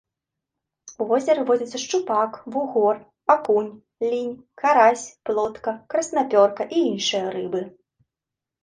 У возеры водзяцца шчупак, вугор, акунь, лінь, карась, плотка, краснапёрка і іншыя рыбы.